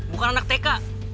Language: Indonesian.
bukan anak tk